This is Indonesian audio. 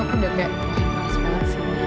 aku udah kayak wah ini panas banget sih